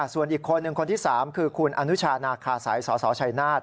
ส่วนอีกคนหนึ่งคนที่๓คือคุณอนุชานาคาสัยสสชัยนาธ